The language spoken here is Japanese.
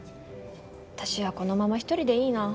私はこのまま１人でいいな。